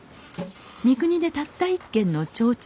三国でたった一軒の提灯屋さん。